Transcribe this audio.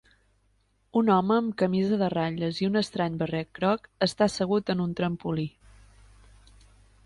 Un home amb camisa de ratlles i un estrany barret groc està assegut en un trampolí.